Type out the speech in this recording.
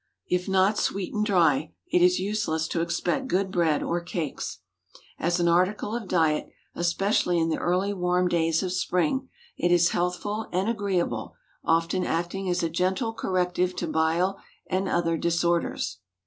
If not sweet and dry, it is useless to expect good bread or cakes. As an article of diet, especially in the early warm days of spring, it is healthful and agreeable, often acting as a gentle corrective to bile and other disorders.